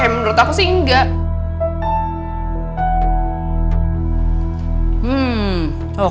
eh menurut aku sih enggak